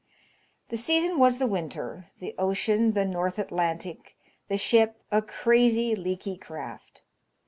The season was the winter, the ocean the North Atlantic, the ship a crazy, leaky craft.